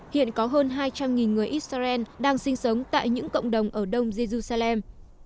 nên có hơn hai trăm linh người israel đang sinh sống tại những cộng đồng ở đông jerusalem